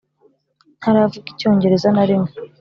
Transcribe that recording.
Ntaravuga Icyongereza na rimwe